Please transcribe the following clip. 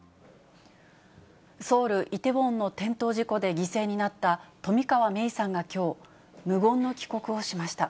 ソウル・イテウォンの転倒事故で犠牲になった冨川芽生さんがきょう、無言の帰国をしました。